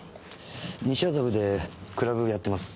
西麻布でクラブやってます。